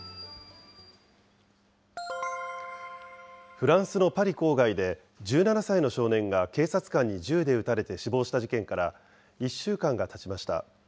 フランスのパリ郊外で、１７歳の少年が警察官に銃で撃たれて死亡した事件から１週間がたちました。